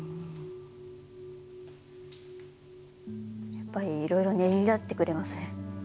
やっぱりいろいろねぎらってくれますね。